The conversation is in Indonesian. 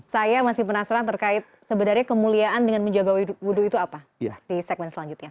saya masih penasaran terkait sebenarnya kemuliaan dengan menjaga wudhu itu apa di segmen selanjutnya